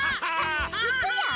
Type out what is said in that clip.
いくよ。